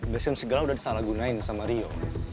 bensin segala udah disalahgunain sama rio